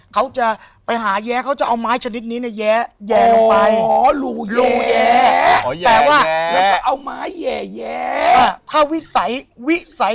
เขาจะไปหาแยะเขาจะเอาไม้ชนิดนี้เนี้ยแยะแยะลงไป